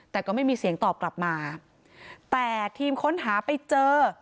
แต่ก็ไม่มีเสียงตอบกลับมาแต่ทีมค้นหาไปเจอ